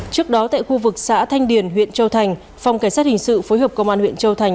trước đó tại khu vực xã thanh điền huyện châu thành phòng cảnh sát hình sự phối hợp công an huyện châu thành